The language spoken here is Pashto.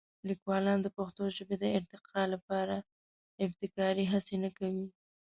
لیکوالان د پښتو ژبې د ارتقا لپاره ابتکاري هڅې نه کوي.